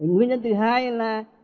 nguyên nhân thứ hai là